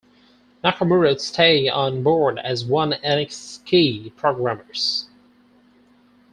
Nakamura would stay on board as one Enix's key programmers.